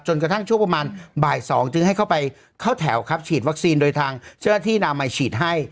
กระทั่งช่วงประมาณบ่าย๒จึงให้เข้าไปเข้าแถวครับฉีดวัคซีนโดยทางเจ้าหน้าที่นำมาฉีดให้